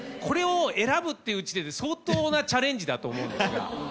これを選ぶっていう時点で相当なチャレンジだと思うんですが。